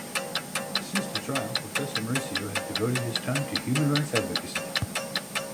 Since the trial, Professor Mauricio has devoted his time to human rights advocacy.